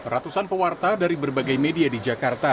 ratusan pewarta dari berbagai media di jakarta